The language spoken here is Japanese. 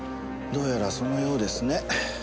どうやらそのようですね。